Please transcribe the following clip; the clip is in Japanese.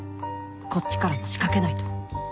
こっちからも仕掛けないと